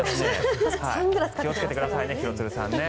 気をつけてくださいね廣津留さんね。